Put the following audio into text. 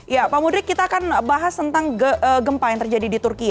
ya pak mudrik kita akan bahas tentang gempa yang terjadi di turki